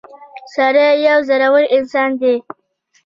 • سړی یو زړور انسان دی.